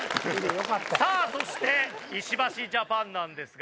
さあそして石橋ジャパンなんですが。